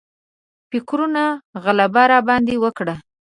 فکرونو غلبه راباندې وکړه.